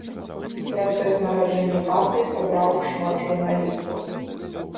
Працэс нараджэння партыі сабраў шмат журналістаў.